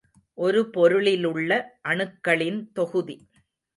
ஒரு பொருளிலுள்ள அணுக்களின் தொகுதி.